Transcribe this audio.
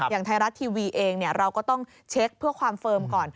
อย่างไทยรัฐทีวีเองเราก็ต้องเช็คเพื่อความเฟิร์มก่อน